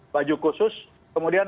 baju khusus kemudian